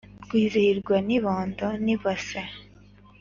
Rwizihirwa n'ibondo nibase